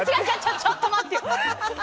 ちょっと待って。